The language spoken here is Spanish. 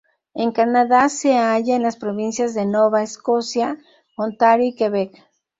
En Canadá se halla en las provincias de Nova Scotia, Ontario y Quebec.